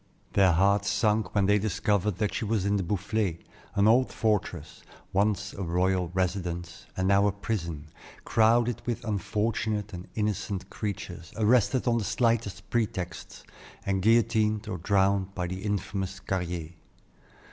Their hearts sunk when they discovered that she was in the Boufflay, an old fortress, once a royal residence, and now a prison, crowded with unfortunate and innocent creatures, arrested on the slightest pretexts, and guillotined or drowned by the infamous Carrier.